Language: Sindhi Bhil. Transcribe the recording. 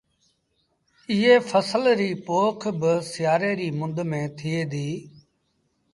ايٚئي ڦسل ريٚ پوک با سيآري ريٚ مند ٿئي ديٚ